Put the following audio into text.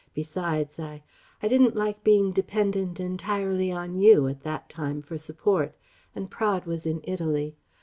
Besides I I didn't like being dependent entirely on you at that time for support: and Praed was in Italy.